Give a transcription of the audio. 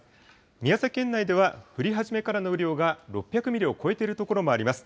宮崎県内では降り始めからの雨量が６００ミリを超えてる所もあります。